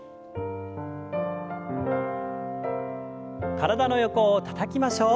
体の横をたたきましょう。